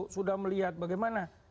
sudah melihat bagaimana